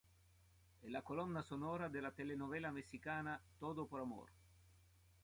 È la colonna sonora della telenovela messicana "Todo por Amor".